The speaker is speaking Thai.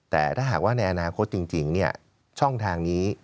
แต่ถ้าหากว่าในอนาคตจริงช่องทางนี้